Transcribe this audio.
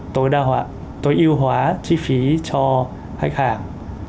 tối ưu hóa chi phí cho khách hàng